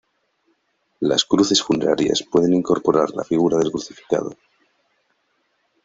Las cruces funerarias pueden incorporar la figura del Crucificado.